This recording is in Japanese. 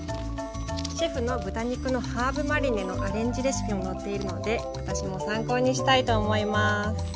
シェフの豚肉のハーブマリネのアレンジレシピも載っているので私も参考にしたいと思います。